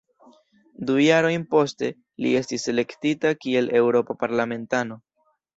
Du jarojn poste, li estis elektita kiel eŭropa parlamentano.